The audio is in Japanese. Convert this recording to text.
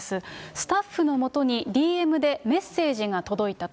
スタッフのもとにＤＭでメッセージが届いたと。